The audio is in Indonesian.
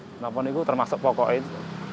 maka teman teman lingkungan termasuk pokoknya